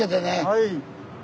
はい。